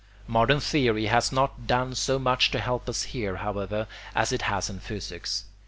Modern theory has not done so much to help us here, however, as it has in physics.